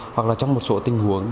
hoặc là trong một số tình huống